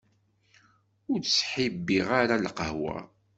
Ur ttḥibbiɣ ara lqahwa.